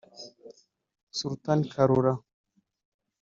Sultan Kalula